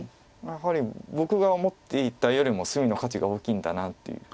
やはり僕が思っていたよりも隅の価値が大きいんだなという。